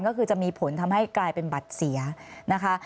ก็คือจะมีผลทำให้กลายเป็นบัตรเสียนะคะ